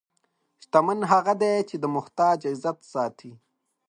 شتمن هغه دی چې د محتاج عزت ساتي.